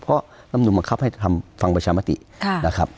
เพราะลำนุนบังคับให้ทำฟังประชามตินะครับ